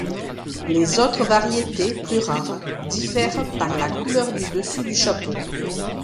Les autres variétés, plus rares, diffèrent par la couleur du dessus du chapeau.